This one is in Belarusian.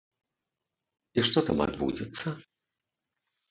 І што там адбудзецца?